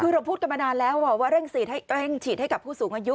คือเราพูดกันมานานแล้วว่าเร่งฉีดให้กับผู้สูงอายุ